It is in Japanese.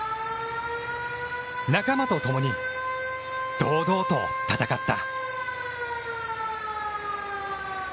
仲間とともに、堂々と戦った。